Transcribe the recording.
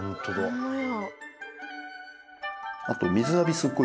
ほんまや。